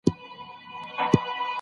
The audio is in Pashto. ځوانان باید له نسو لیرې وي.